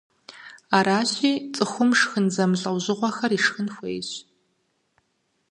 Аращи, цӀыхум шхын зэмылӀэужъыгъуэхэр ишхын хуейщ.